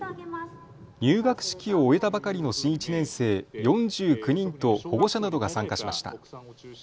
入学式を終えたばかりの新１年生４９人と保護者などが参加しました。